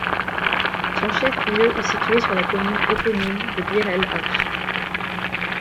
Son chef-lieu est situé sur la commune éponyme de Bir El Arch.